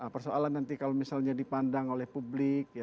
persoalan nanti kalau misalnya dipandang oleh publik